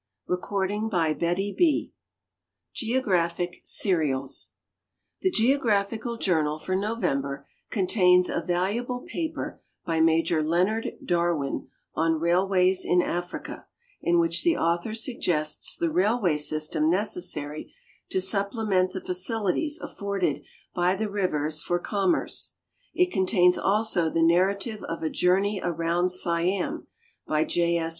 Eknkst de S.\SSKVII,I K. GEOGRAPHIC SERIALS Tlie GeograpIiU'iil Journal for November contains a valuable i)ai)er by ISIajor Leonard Darwin on Railways in Africa, in which the author sug gests the railway system necessary to supplement the facilities afforded by the rivers for commerce. It contains also the narrative of a Journey around Siam, by J. S.